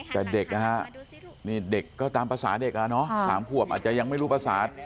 แต่เด็กนะฮะนี่เด็กก็ตามภาษาเด็กอ่ะเนาะ๓ขวบอาจจะยังไม่รู้ภาษา